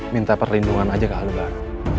minta perlindungan aja ke albar